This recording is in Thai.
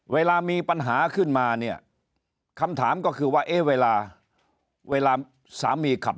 เวลามีปัญหาขึ้นมาเนี่ยคำถามก็คือว่าเอ๊ะเวลาเวลาสามีขับ